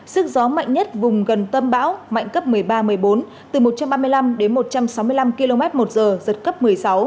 sức gió mạnh nhất vùng gần tâm bão mạnh cấp một mươi ba một mươi bốn từ một trăm ba mươi năm đến một trăm sáu mươi năm km một giờ giật cấp một mươi sáu